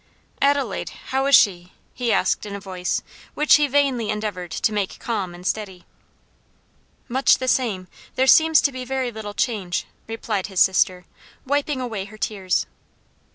"Adelaide, how is she?" he asked in a voice which he vainly endeavored to make calm and steady. "Much the same; there seems to be very little change," replied his sister, wiping away her tears.